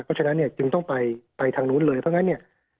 เพราะฉะนั้นจึงต้องไปทางนู้นเลยเพราะฉะนั้น